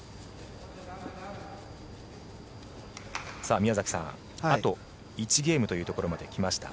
宮崎さん、あと１ゲームというところまで来ました。